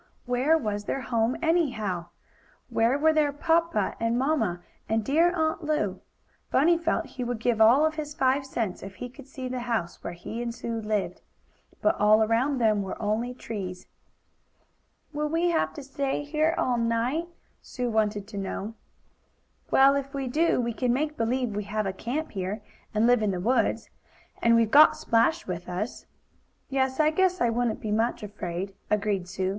Where was their home, anyhow? Where were their papa and mamma and dear Aunt Lu? Bunny felt he would give all of his five cents if he could see the house where he and Sue lived. But all around them were only trees. "Will we have to stay here all night?" Sue wanted to know. "Well, if we do, we can make believe we have a camp here, and live in the woods. And we've got Splash with us." "Yes, I guess I wouldn't be much afraid," agreed Sue.